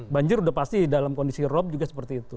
banjir udah pasti dalam kondisi rob juga seperti itu